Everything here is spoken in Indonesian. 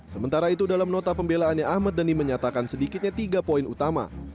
sementara itu dalam nota pembelaannya ahmad dhani menyatakan sedikitnya tiga poin utama